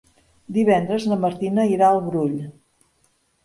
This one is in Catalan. Divendres na Martina irà al Brull.